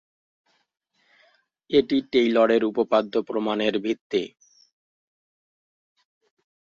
এটি টেইলরের উপপাদ্য প্রমাণের ভিত্তি।